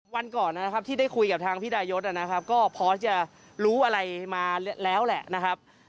วันก่อนที่ได้คุยกับทางพี่ดายศก็พอจะรู้อะไรมาแล้วแหละ